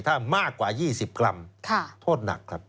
ถ้ามากกว่า๒๐กรัมโทษหนักครับ